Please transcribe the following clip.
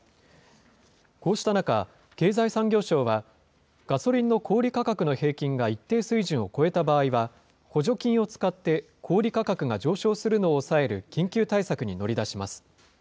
こうした中、経済産業省は、ガソリンの小売り価格の平均が一定水準を超えた場合は、補助金を使って小売り価格が上昇するのを抑える緊急対策に乗り出します。